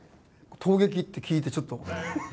「東劇」って聞いてちょっと。